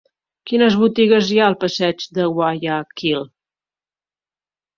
Quines botigues hi ha al passeig de Guayaquil?